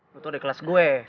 lu tuh ada kelas gue